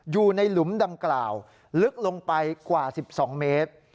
หลุมดังกล่าวลึกลงไปกว่า๑๒เมตร